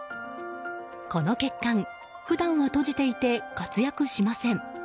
この血管、普段は閉じていて活躍しません。